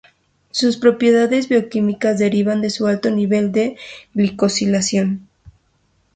Sus propiedades bioquímicas derivan de su alto nivel de glicosilación.